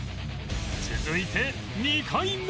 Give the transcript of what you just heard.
続いて２回目